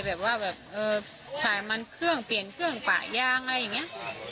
แบบว่าแบบเออสายมันเครื่องเปลี่ยนเครื่องปะยางอะไรอย่างนี้